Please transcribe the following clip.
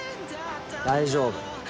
大丈夫。